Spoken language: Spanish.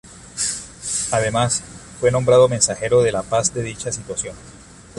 Además, fue nombrado Mensajero de la Paz de dicha institución.